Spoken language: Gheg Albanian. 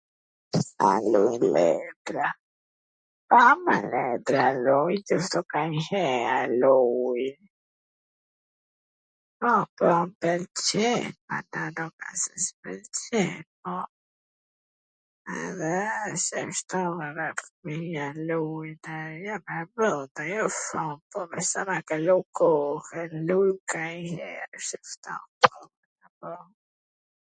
A luj letra? Po, mo, letra luj, kanjher luj, po, po m pwlqen, nuk wsht se s m pwlqen, po edhe ... fmija lujn e, po jo shum, sa me kalu kohwn, luj kanjher, shishto, po.